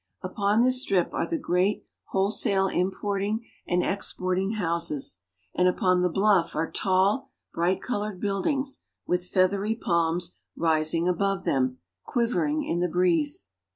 Upon this strip are the great wholesale importing and exporting houses, and upon the bluff are tall, bright col ored buildings, with feathery palms rising above them, quivering in the breeze.